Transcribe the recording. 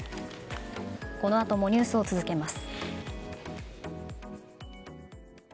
このあともニュースを続けます。